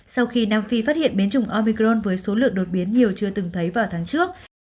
sau khi nam phi phát hiện biến chủng omicron với số lượng đột biến nhiều chưa từng thấy vào tháng trước